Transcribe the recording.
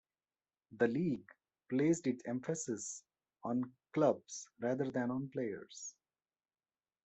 The league placed its emphasis on clubs rather than on players.